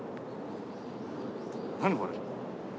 何これ？